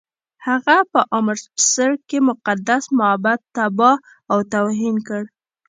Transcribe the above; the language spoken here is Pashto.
هغه په امرتسر کې مقدس معبد تباه او توهین کړ.